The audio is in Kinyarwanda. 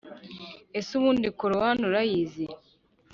ese ubundi korowani urayizi